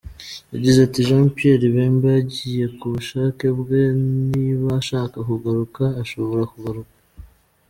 Yagize ati “Jean Pierre Bemba yagiye ku bushake bwe, niba ashaka kugaruka, ashobora kugaruka.